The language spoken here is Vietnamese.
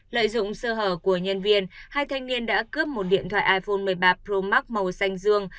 lợi dụng sơ hở của nhân viên hai thanh niên đã cướp một điện thoại iphone một mươi ba pro max màu xanh dương